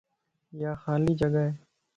يا خالي جڳا ائي